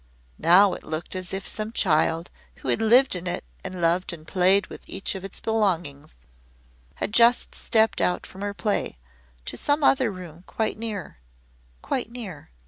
Now it looked as if some child who had lived in it and loved and played with each of its belongings, had just stepped out from her play to some other room quite near quite near.